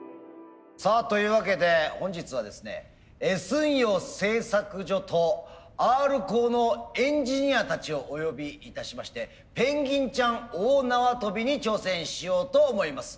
さあというわけで本日はですねＳ陽製作所とＲコーのエンジニアたちをお呼びいたしましてペンギンちゃん大縄跳びに挑戦しようと思います。